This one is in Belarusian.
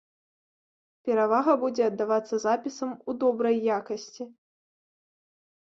Перавага будзе аддавацца запісам у добрай якасці.